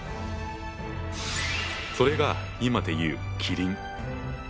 それが今で言うキリン。